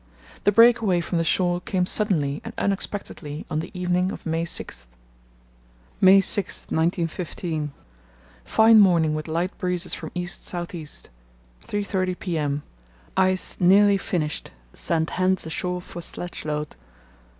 The break away from the shore came suddenly and unexpectedly on the evening of May 6: "May 6, 1915.—Fine morning with light breezes from east south east.... 3.30 p.m.—Ice nearly finished. Sent hands ashore for sledge load.